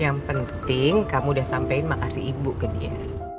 yang penting kamu udah sampaikan makasih ibu ke dia